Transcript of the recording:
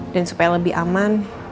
dan supaya lebih aman